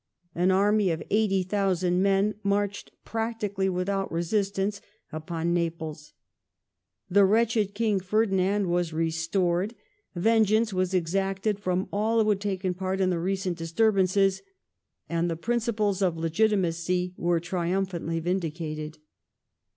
An army of 80,000 men marched, practically without resistance, upon Naples ; the wretched King Ferdinand was restored, vengeance ^ was exacted from all who had taken part in the recent disturb ances, and the principles of legitimacy were triumphantly vindi cated.